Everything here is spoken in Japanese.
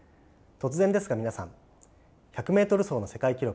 突然ですが皆さん１００ｍ走の世界記録